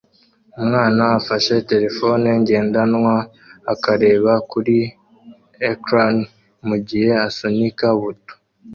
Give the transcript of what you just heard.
Umwana afashe terefone ngendanwa akareba kuri ecran mugihe asunika buto